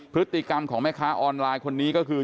พฤติกรรมของแม่ค้าออนไลน์คนนี้ก็คือ